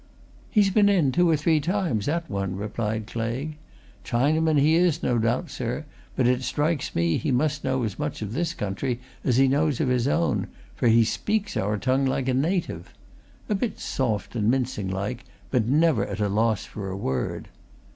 "He's been in two or three times, that one," replied Claigue. "Chinaman he is, no doubt, sir, but it strikes me he must know as much of this country as he knows of his own, for he speaks our tongue like a native a bit soft and mincing like, but never at a loss for a word.